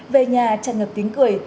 về nhà chẳng ngập tiếng cười